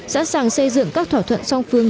sẵn sàng xây dựng các thỏa thuận song phương